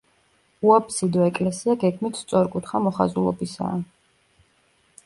უაბსიდო ეკლესია გეგმით სწორკუთხა მოხაზულობისაა.